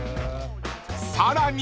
［さらに］